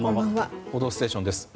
「報道ステーション」です。